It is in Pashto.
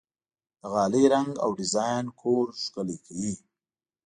د غالۍ رنګ او ډیزاین کور ښکلی کوي.